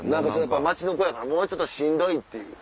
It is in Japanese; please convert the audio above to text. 街の子やからもうちょっとしんどいっていう。